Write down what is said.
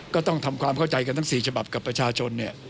ก็ต้องทำความเข้าใจกันทั้ง๔ฉบับกับประชาชนเนี่ย